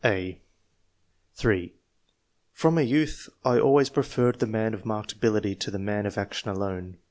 (a) (3) " From a youth, I always preferred the man of marked ability to the man of action alone.